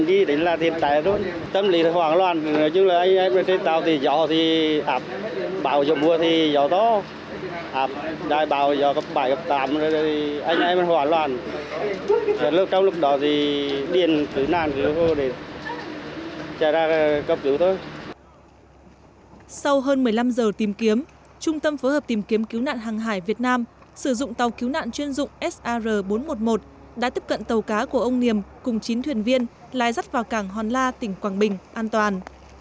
sau hơn một mươi năm giờ tìm kiếm trung tâm phối hợp tìm kiếm cứu nạn hàng hải việt nam sử dụng tàu cứu nạn chuyên dụng sar bốn trăm một mươi một đã tiếp cận tàu cá của ông niềm cùng chín thuyền viên lai rắt vào cảng hòn la tỉnh quảng bình an toàn